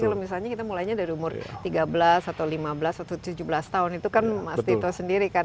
kalau misalnya kita mulainya dari umur tiga belas atau lima belas atau tujuh belas tahun itu kan mas tito sendiri kan